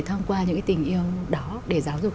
thông qua những tình yêu đó để giáo dục